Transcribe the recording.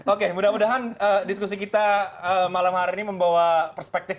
oke mudah mudahan diskusi kita malam hari ini membawa perspektif